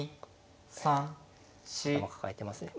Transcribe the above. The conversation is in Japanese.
頭抱えてますね。